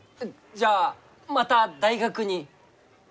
じゃあまた大学に？